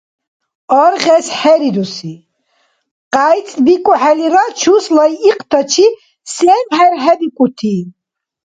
Аргъес хӀерируси — къяйцӀбикӀухӀелира чус лайикьтачи сен хӀерхӀебикӀути?